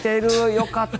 よかった！